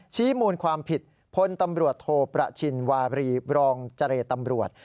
ชี้มูลความผิดพลตำรวจโทประชินวารีบรองเจรตำรวจ